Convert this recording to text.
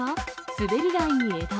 滑り台に枝。